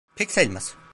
Pek sayılmaz.